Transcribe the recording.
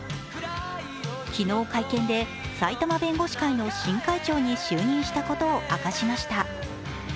昨日、会見で埼玉弁護士会の新会長に就任したことを明らかにしました。